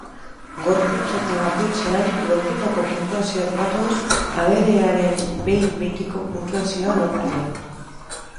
Gorputz-atal bakoitzean lortutako puntuazioak batuz, aberearen behin-betiko puntuazioa lortuko da.